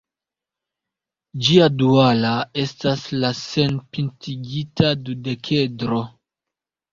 Ĝia duala estas la senpintigita dudekedro.